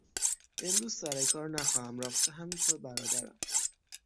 امروز سر کار نخواهم رفت، همین طور برادرم.